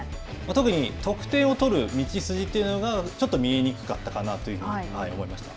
特に得点を取る道筋というのがちょっと見えにくかったかなというふうに思いました。